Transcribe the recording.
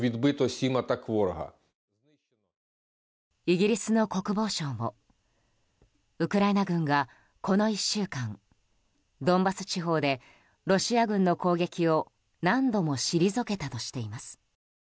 イギリスの国防省もウクライナ軍が、この１週間ドンバス地方でロシア軍の攻撃を何度も退けたとしています。